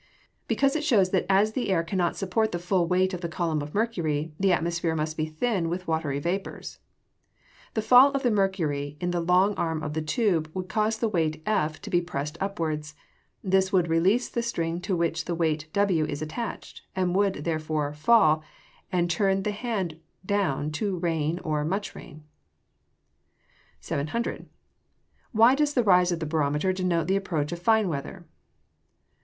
_ Because it shows that as the air cannot support the full weight of the column of mercury, the atmosphere must be thin with watery vapours. The fall of the mercury in the long arm of the tube would cause the weight F to be pressed upwards. This would release the string to which the weight W is attached; it would, therefore, fall, and turn the hand down to Rain or Much Rain. 700. _Why does the rise of the barometer denote the approach of fine weather?